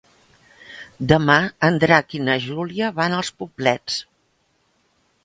Demà en Drac i na Júlia van als Poblets.